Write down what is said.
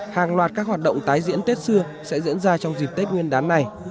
hàng loạt các hoạt động tái diễn tết xưa sẽ diễn ra trong dịp tết nguyên đán này